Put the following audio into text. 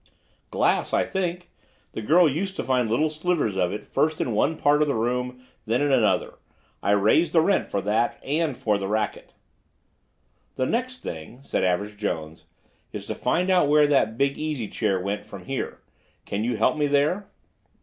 "Glass, I think. The girl used to find little slivers of it first in one part of the room, then in another. I raised the rent for that and for the racket." "The next thing," said Average Jones, "is to find out where that big easy chair went from here. Can you help me there?"